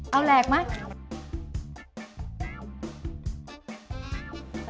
เอาแหลกมา